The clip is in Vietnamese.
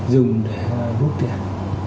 dùng để rút tiền